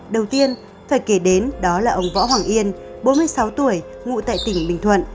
đầu tiên phải kể đến đó là ông võ hoàng yên bốn mươi sáu tuổi ngụ tại tỉnh bình thuận